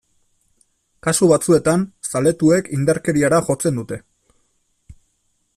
Kasu batzuetan, zaletuek indarkeriara jotzen dute.